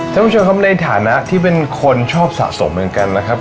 ท่านผู้ชมครับในฐานะที่เป็นคนชอบสะสมเหมือนกันนะครับ